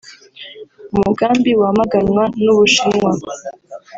umugambi wamaganwa n’u Bushinwa